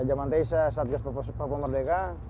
zaman teh saya satgas papua merdeka